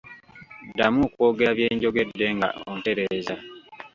Ddamu okwogera bye njogedde nga ontereeza.